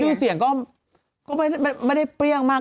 นี่เสียงก็ไม่ได้เปรี้ยงมาก